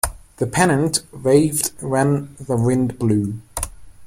The pennant waved when the wind blew.